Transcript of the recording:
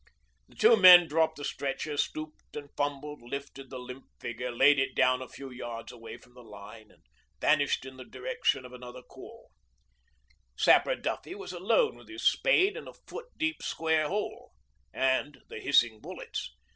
The two men dropped the stretcher, stooped and fumbled, lifted the limp figure, laid it down a few yards away from the line, and vanished in the direction of another call. Sapper Duffy was alone with his spade and a foot deep square hole and the hissing bullets.